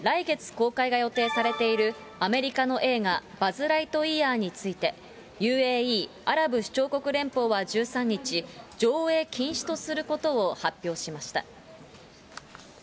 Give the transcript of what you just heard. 日本で来月公開が予定されているアメリカの映画、バズ・ライトイヤーについて、ＵＡＥ・アラブ首長国連邦は１３日、上映禁止とすることを発表しました。